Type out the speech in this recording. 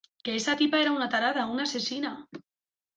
que esa tipa era una tarada, una asesina.